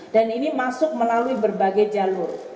dan ini masuk melalui berbagai jalur